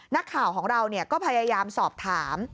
นักข่าวของเราก็พยายามสอบถาม